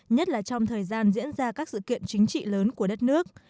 nhất là trong thời gian diễn ra các sự kiện chính trị lớn của đất nước